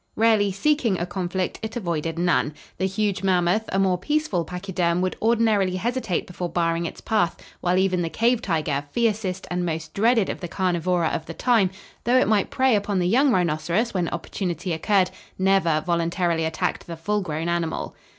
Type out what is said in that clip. Rarely seeking a conflict, it avoided none. The huge mammoth, a more peaceful pachyderm, would ordinarily hesitate before barring its path, while even the cave tiger, fiercest and most dreaded of the carnivora of the time, though it might prey upon the young rhinoceros when opportunity occurred, never voluntarily attacked the full grown animal.